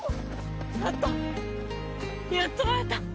やっとやっと会えた！